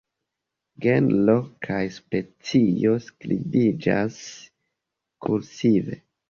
Genro kaj specio skribiĝas kursive.